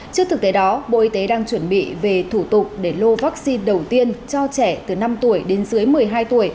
trước thực tế đó bộ y tế đang chuẩn bị về thủ tục để lô vaccine đầu tiên cho trẻ từ năm tuổi đến dưới một mươi hai tuổi